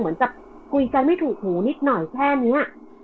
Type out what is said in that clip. แล้วก็คุยใจไม่ถูกหูนิดหน่อยแค่นี้